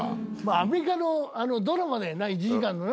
アメリカのドラマだよな１時間のな。